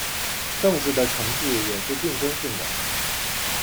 政治的程序也是竞争性的。